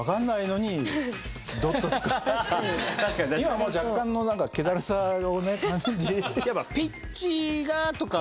今も若干の気だるさをね感じ。